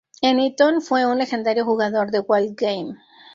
En Eton, fue un legendario jugador de Wall Game.